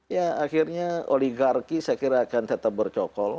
ya akhirnya oligarki saya kira akan tetap bercokol